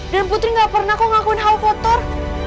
dan putri enggak pernah kok ngakuin hal kotor